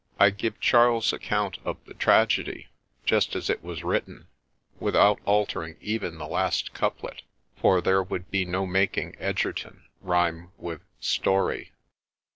I give Charles's account of the Tragedy, just as it was written, without altering even the last couplet — for there would be no making ' Egerton ' rhyme with ' Story.'